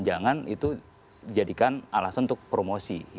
jangan itu dijadikan alasan untuk promosi